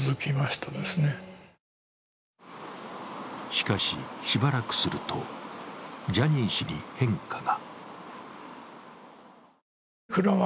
しかし、しばらくするとジャニー氏に変化が。